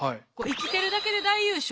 「生きてるだけで大優勝」。